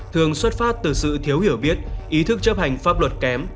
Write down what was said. thường xuất phát từ sự thiếu hiểu biết ý thức chấp hành pháp luật kém